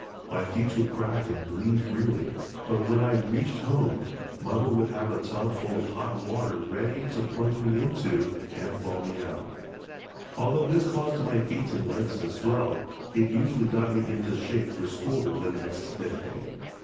My feet would crack and bleed freely, but when I reached home Mother would have a tub full of hot water ready to plunge me into and thaw me out. Although this caused my feet and legs to swell, it usually got me into shape for school the next day.